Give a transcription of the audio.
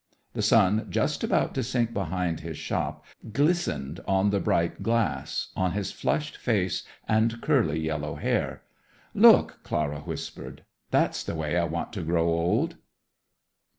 The sun, just about to sink behind his shop, glistened on the bright glass, on his flushed face and curly yellow hair. "Look," Clara whispered; "that's the way I want to grow old."